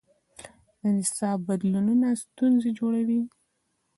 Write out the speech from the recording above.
د نصاب بدلونونه ستونزې جوړوي.